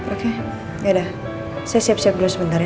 oke ya udah saya siap siap dulu sebentar ya